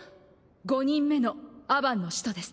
５人目のアバンの使徒です。